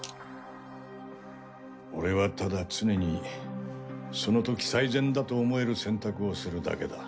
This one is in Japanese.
俺はただ常にそのとき最善だと思える選択をするだけだ。